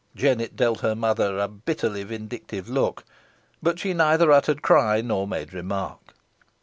Jennet dealt her mother a bitterly vindictive look, but she neither uttered cry, nor made remark.